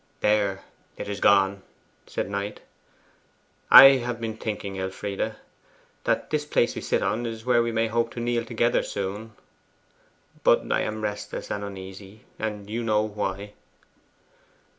'There, it is gone!' said Knight. 'I've been thinking, Elfride, that this place we sit on is where we may hope to kneel together soon. But I am restless and uneasy, and you know why.